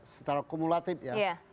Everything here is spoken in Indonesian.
secara kumulatif ya